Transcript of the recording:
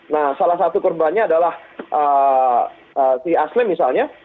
nah salah satu korbannya adalah si asli misalnya